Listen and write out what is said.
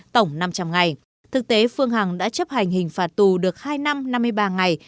tổng năm trăm linh ngày thực tế phương hằng đã chấp hành hình phạt tù được hai năm năm mươi ba ngày